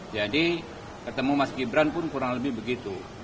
jadi ketemu mas gibran pun kurang lebih begitu